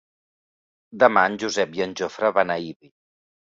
Demà en Josep i en Jofre van a Ibi.